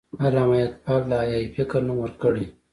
علامه اقبال احیای فکر نوم ورکړی.